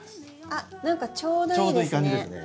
あっ何かちょうどいいですね。